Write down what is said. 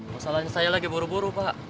masalahnya saya lagi buru buru pak